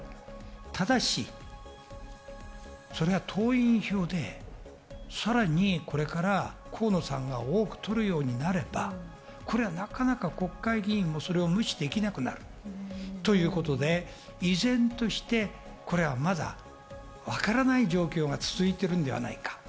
ただし、党員票でさらにこれから河野さんが多く取るようになればなかなか国会議員もそれを無視できなくなるということで、依然として、これはまだわからない状況が続いているのではないか。